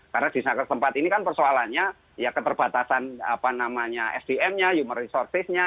karena di senakar tempat ini kan persoalannya ya keterbatasan sdm nya human resources nya